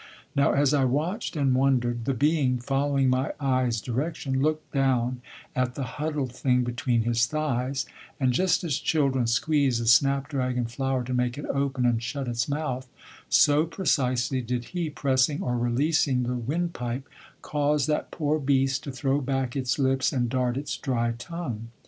Now, as I watched and wondered, the being, following my eyes' direction, looked down at the huddled thing between his thighs, and just as children squeeze a snap dragon flower to make it open and shut its mouth, so precisely did he, pressing or releasing the windpipe, cause that poor beast to throw back its lips and dart its dry tongue.